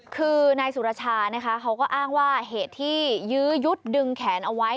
คือนายสุรชานะคะเขาก็อ้างว่าเหตุที่ยื้อยุดดึงแขนเอาไว้